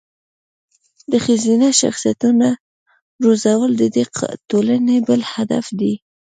د ښځینه شخصیتونو روزل د دې ټولنې بل هدف دی.